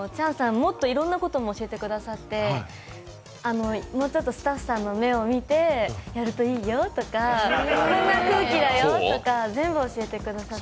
もっといろんなことも教えてくださってもうちょっとスタッフさんの目を見てやるといいよとかこんな空気だよとか、全部教えてくださって。